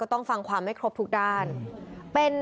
ต้องฟังความไม่ครบทุกด้าน